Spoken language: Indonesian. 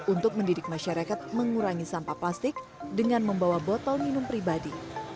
untuk mendidik masyarakat mengurangi sampah plastik dengan membawa botol minum pribadi